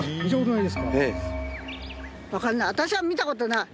私は見た事ない。